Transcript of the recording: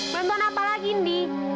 bantuan apa lagi sindi